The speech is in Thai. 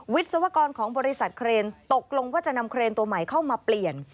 วิศวกรของบริษัทเครนตกลงว่าจะนำเครนตัวใหม่เข้ามาเปลี่ยน